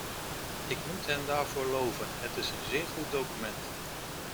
Ik moet hem daarvoor loven, het is een zeer goed document.